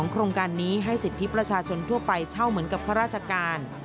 โครงการนี้ให้สิทธิประชาชนทั่วไปเช่าเหมือนกับข้าราชการ